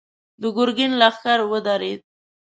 د ګرګين لښکر ودرېد.